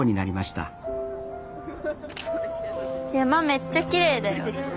めっちゃきれいだよ。